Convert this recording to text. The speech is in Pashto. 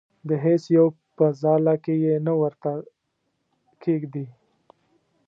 د هیڅ یو په ځاله کې یې نه ورته کېږدي.